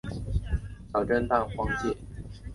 小震旦光介为半花介科震旦光介属下的一个种。